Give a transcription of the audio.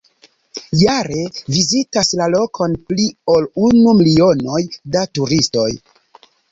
Jare vizitas la lokon pli ol unu milionoj da turistoj.